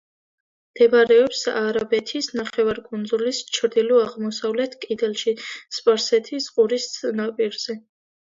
მდებარეობს არაბეთის ნახევარკუნძულის ჩრდილო-აღმოსავლეთ კიდეში სპარსეთის ყურის ნაპირზე.